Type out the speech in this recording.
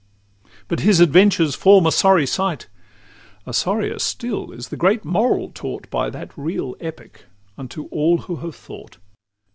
But his adventures form a sorry sight; A sorrier still is the great moral taught By that real epic unto all who have thought.